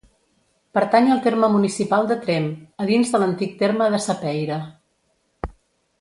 Pertany al terme municipal de Tremp, a dins de l'antic terme de Sapeira.